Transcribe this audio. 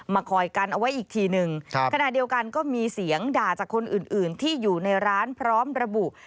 คอยกันเอาไว้อีกทีหนึ่งขณะเดียวกันก็มีเสียงด่าจากคนอื่นอื่นที่อยู่ในร้านพร้อมระบุ